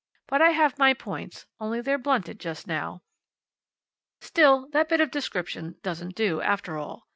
But I have my points, only they're blunted just now." Still, that bit of description doesn't do, after all.